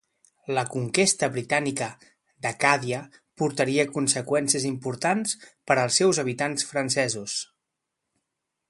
La conquesta britànica d'Acàdia portaria conseqüències importants per als seus habitants francesos.